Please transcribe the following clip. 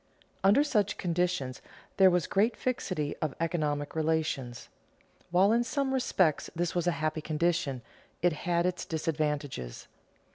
Under such conditions there was great fixity of economic relations. While in some respects this was a happy condition, it had its disadvantages.